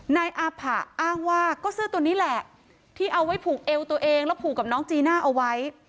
นายอาผะอ้างว่าก็เสื้อตัวนี้แหละที่เอาไว้ผูกเอวตัวเองแล้วผูกกับน้องจีน่าเอาไว้